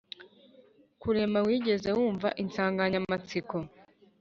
kurema, wigeze wumva insanganyamatsiko